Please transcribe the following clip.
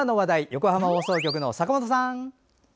横浜放送局の坂本さん。